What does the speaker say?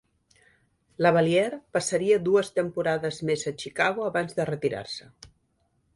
LaValliere passaria dues temporades més a Chicago abans de retirar-se.